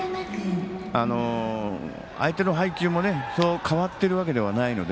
相手の配球も変わっているわけではないので。